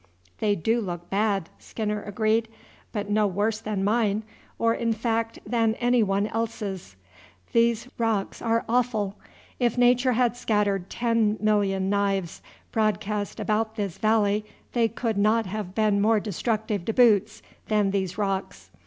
"They do look bad," Skinner agreed, "but no worse than mine, or in fact than any one else's. These rocks are awful. If Nature had scattered ten million knives broadcast about this valley they could not have been more destructive to boots than these rocks.